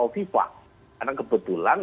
hoviva karena kebetulan